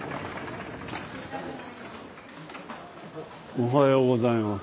おはようございます。